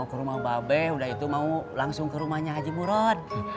mau ke rumah mbah be udah itu mau langsung ke rumahnya haji murot